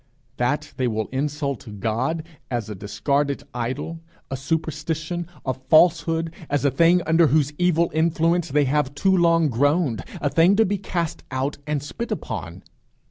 That they will insult God as a discarded idol, a superstition, a falsehood, as a thing under whose evil influence they have too long groaned, a thing to be cast out and spit upon.